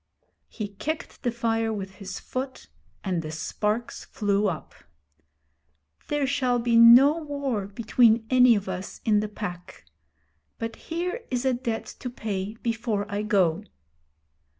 He kicked the fire with his foot, and the sparks flew up. 'There shall be no war between any of us in the Pack. But here is a debt to pay before I go.'